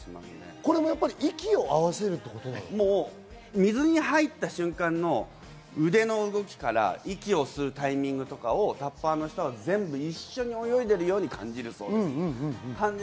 これも息を合わせるってこと水に入った瞬間の腕の動きや息を吸うタイミング、タッパーの方は一緒に泳いでいることを感じているそうです。